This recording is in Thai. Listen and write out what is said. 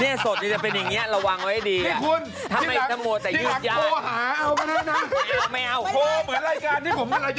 นี่สดนี่จะเป็นอย่างนี้ระวังไว้ดี